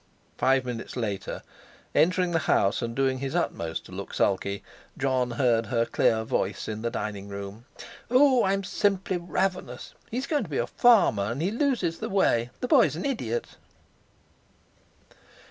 Five minutes later, entering the house and doing his utmost to look sulky, Jon heard her clear voice in the dining room: "Oh! I'm simply ravenous! He's going to be a farmer—and he loses his way! The boy's an idiot!"